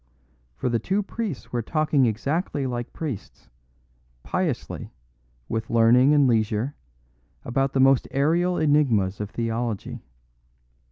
For the two priests were talking exactly like priests, piously, with learning and leisure, about the most aerial enigmas of theology.